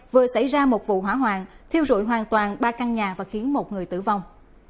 vừa xảy ra một vụ hỏa hoạn thiêu rụi hoàn toàn ba căn nhà và khiến một người tử vong